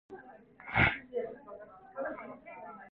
계속 하세요.